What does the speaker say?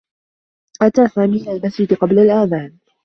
أتى سامي إلى المسجد قبل الأذان.